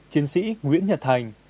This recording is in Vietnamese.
chiến sĩ nguyễn nhật thành